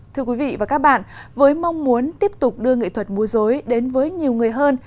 thưa quý vị và các bạn với mong muốn tiếp tục đưa nghệ thuật mua dối đến với nhiều người hơn